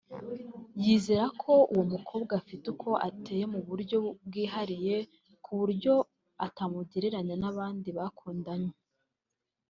yizera ko uwo mukobwa afite uko ateye mu buryo bwihariye kuburyo atamugereranya n’abandi bakundanye